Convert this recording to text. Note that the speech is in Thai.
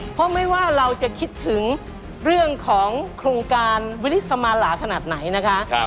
เพราะไม่ว่าเราจะคิดถึงเรื่องของโครงการวิริสมาหลาขนาดไหนนะคะ